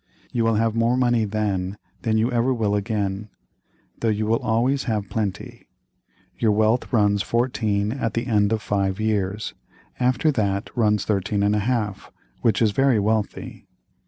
You will have more money then than you ever will again, though you will always have plenty. Your wealth runs 14 at the end of five years; after that runs 13½, which is very wealthy.